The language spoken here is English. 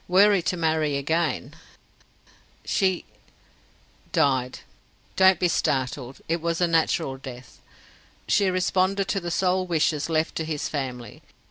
Were he to marry again ..." "She ..." "Died. Do not be startled; it was a natural death. She responded to the sole wishes left to his family.